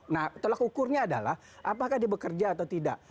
nah tolak ukurnya adalah apakah dia bekerja atau tidak